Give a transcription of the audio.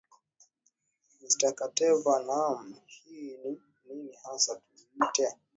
mr kateva naam hii ni nini hasa tuiite